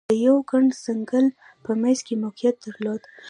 د یوه ګڼ ځنګل په منځ کې موقعیت درلود.